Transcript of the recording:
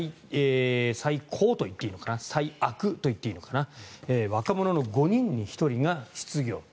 最高と言っていいのかな最悪と言っていいのかな若者の５人に１人が失業。